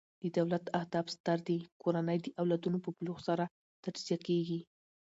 د دولت اهداف ستر دي؛ کورنۍ د او لادونو په بلوغ سره تجزیه کیږي.